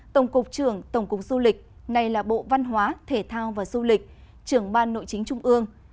tổng cục trưởng tổng cục du lịch này là bộ văn hóa thể thao và du lịch trưởng ban nội chính trung ương